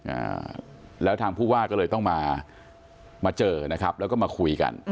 อ่าแล้วทางผู้ว่าก็เลยต้องมามาเจอนะครับแล้วก็มาคุยกัน